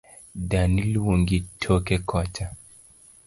Dani luongi toke kocha